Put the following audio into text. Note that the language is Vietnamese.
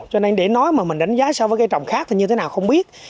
cho nên để nói mà mình đánh giá so với cây trồng khác thì như thế nào không biết